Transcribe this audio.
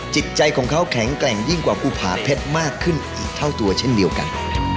จิตใจของเขาแข็งแกร่งยิ่งกว่าภูผาเพชรมากขึ้นอีกเท่าตัวเช่นเดียวกัน